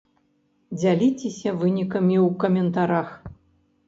Дзяліцеся вынікамі ў каментарах!